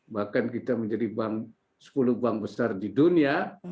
bahkan kita menjadi sepuluh bank besar di dunia